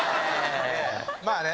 まあね。